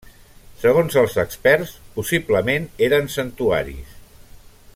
Segons els experts, possiblement eren santuaris.